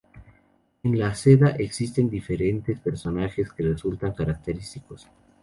En la Ceda existen diferentes personajes que resultan característicos.